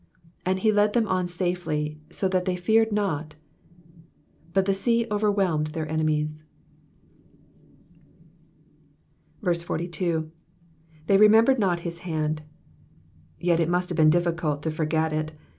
53 And he led them on safely, so that they feared not : but the sea overwhelmed their enemies. 43. '''•They rememUred not his hand,'*^ Yet it must have been difficult to forget it.